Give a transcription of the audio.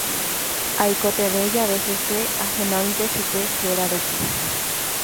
Aikotevẽ jave hese ahenóinte chupe héra rupi.